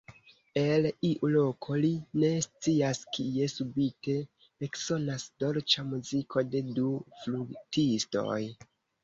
El iu loko, li ne scias kie, subite eksonas dolĉa muziko de du flutistoj.